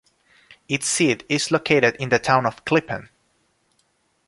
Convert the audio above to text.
Its seat is located in the town of Klippan.